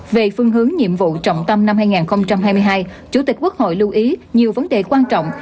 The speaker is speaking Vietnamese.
về phương hướng nhiệm vụ trọng tâm năm hai nghìn hai mươi hai chủ tịch quốc hội lưu ý nhiều vấn đề quan trọng